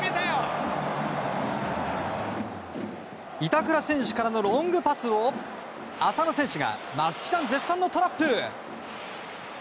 板倉選手からのロングパスを浅野選手が松木さん絶賛のトラップ。